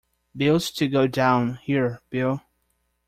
Bill’s to go down—Here, Bill!